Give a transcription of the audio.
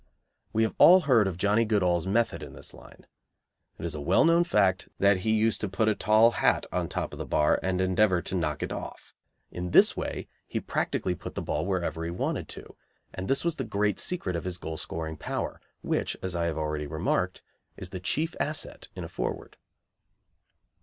We have all heard of Johnnie Goodall's method in this line. It is a well known fact that he used to put a tall hat on top of the bar and endeavour to knock it off. In this way he practically put the ball wherever he wanted to, and this was the great secret of his goal scoring power, which, as I have already remarked, is the chief asset in a forward.